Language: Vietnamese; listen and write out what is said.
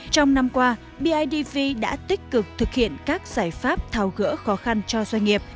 trong năm qua bidv đã tích cực thực hiện các giải pháp tháo gỡ khó khăn cho doanh nghiệp